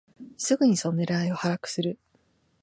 すぐにその狙いを把握する